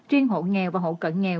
riêng hộ nghèo và hộ cận nghèo